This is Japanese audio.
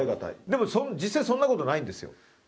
でも実際そんな事ないんですよ。